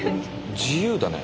自由だね。